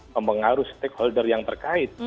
mempengaruhi stakeholder yang berkait